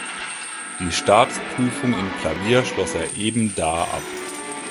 Die Staatsprüfung in Klavier schloss er ebenda ab.